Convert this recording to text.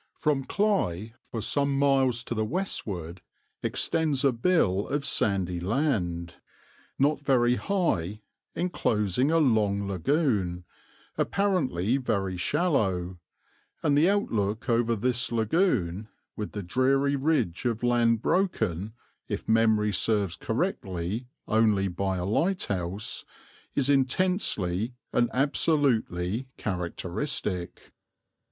From Cley for some miles to the westward extends a bill of sandy land, not very high, enclosing a long lagoon, apparently very shallow, and the outlook over this lagoon, with the dreary ridge of land broken, if memory serves correctly, only by a lighthouse, is intensely and absolutely characteristic.